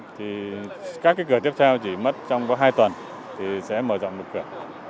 thì các cái cửa tiếp theo chỉ mất trong có hai tuần thì sẽ mở rộng một cửa